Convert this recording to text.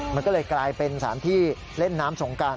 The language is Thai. มันก็เลยกลายเป็นสถานที่เล่นน้ำสงการ